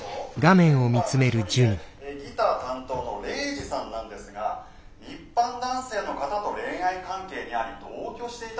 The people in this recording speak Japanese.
「メンバーの一人でギター担当のレイジさんなんですが一般男性の方と恋愛関係にあり同居していたそうなんです。